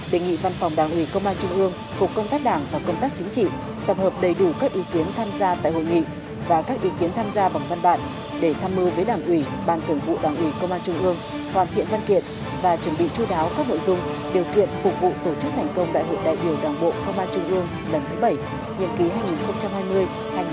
đề nghị văn phòng đảng ủy công an trung ương cục công tác đảng và công tác chính trị tập hợp đầy đủ các ý kiến tham gia tại hội nghị và các ý kiến tham gia bằng văn bản để thăm mưu với đảng ủy ban thường vụ đảng ủy công an trung ương hoàn thiện văn kiện và chuẩn bị chú đáo các nội dung điều kiện phục vụ tổ chức thành công đại hội đại biểu đảng bộ công an trung ương lần thứ bảy nhiệm ký hai nghìn hai mươi hai nghìn hai mươi năm theo đúng kế hoạch đã đề ra